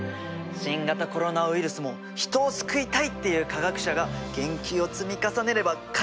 新型コロナウイルスも人を救いたいっていう科学者が研究を積み重ねれば解決できる気がするよ。